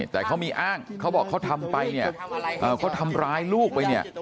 แต่เขามีอ้างเขาบอกเขาทำไปเนี่ยเขาทำร้ายลูกไปเนี่ย